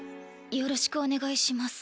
よろしくお願いします。